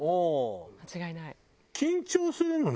間違いない。